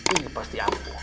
ini pasti ampun